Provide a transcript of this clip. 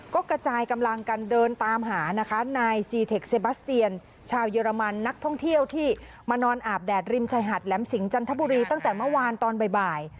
ก็กระจายกำลังกันเดินตามหานะคะนายซีเทคเซบัสเตียนชาวเยอรมันนักท่องเที่ยวที่มานอนอาบแดดริมชายหาดแหลมสิงจันทบุรีตั้งแต่เมื่อวานตอนบ่าย